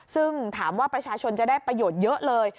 ซึ่งถามว่าประชาชนจะได้ประโยชน์เยอะเลย